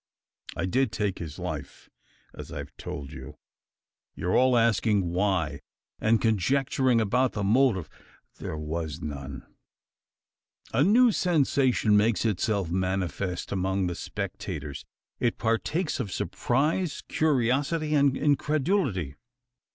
I did take his life, as I've told you. You are all asking why, and conjecturing about the motive. There was none." A new "sensation" makes itself manifest among the spectators. It partakes of surprise, curiosity, and incredulity.